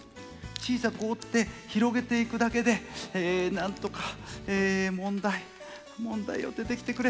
小さく折って広げていくだけでなんとか問題問題よ出てきてくれ。